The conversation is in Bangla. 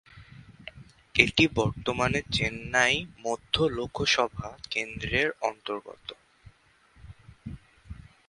এটি বর্তমানে চেন্নাই মধ্য লোকসভা কেন্দ্রের অন্তর্গত।